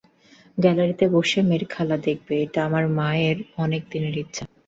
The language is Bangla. গ্যালারিতে বসে মেয়ের খেলা দেখবে, এটা আমার মায়ের অনেক দিনের ইচ্ছা।